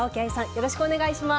よろしくお願いします。